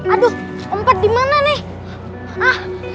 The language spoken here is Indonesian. aduh tempat dimana nih